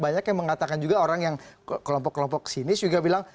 banyak yang mengatakan juga orang yang kelompok kelompok sinis juga bilang